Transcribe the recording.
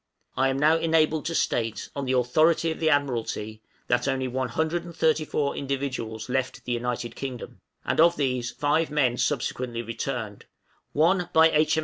I am now enabled to state, on the authority of the Admiralty, that only one hundred and thirty four individuals left the United Kingdom, and of these five men subsequently returned: one by H.